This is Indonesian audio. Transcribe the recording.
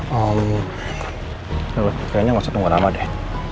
hmm kayaknya gak usah tunggu lama deh